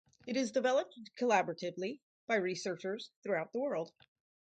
It is developed collaboratively by researchers throughout the world.